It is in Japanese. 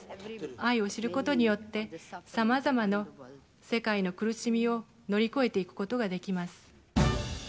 愛を知ることによって、さまざまな世界の苦しみを乗り越えていくことができます。